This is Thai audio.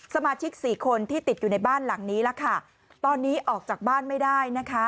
สมาชิก๔คนที่ติดอยู่ในบ้านหลังนี้ตอนนี้ออกจากบ้านไม่ได้